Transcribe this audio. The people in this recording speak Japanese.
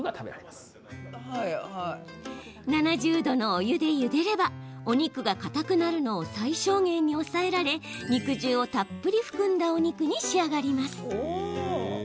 ７０度のお湯でゆでればお肉がかたくなるのを最小限に抑えられ肉汁をたっぷり含んだお肉に仕上がります。